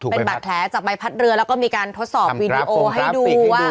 เป็นบาดแผลจากใบพัดเรือแล้วก็มีการทดสอบวีดีโอให้ดูว่า